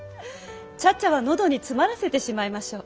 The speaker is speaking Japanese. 茶々は喉に詰まらせてしまいましょう。